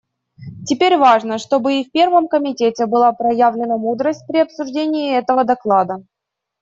Теперь важно, чтобы и в Первом комитете была проявлена мудрость при обсуждении этого доклада.